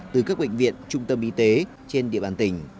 từ các bệnh viện trung tâm y tế trên địa bàn tỉnh